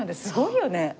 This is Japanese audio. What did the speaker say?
すごいよね。